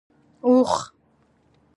🐪 اوښ